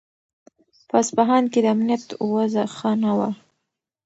په اصفهان کې د امنیت وضع ښه نه وه.